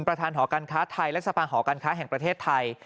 หอการค้าไทยและสะพานหอการค้าแห่งประเทศไทย